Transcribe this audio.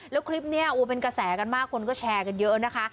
แล้วคลิปนี้เป็นกระแสกันมากคนก็แชร์กันเยอะนะคะ